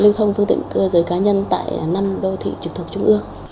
lưu thông phương tiện cơ giới cá nhân tại năm đô thị trực thuộc trung ương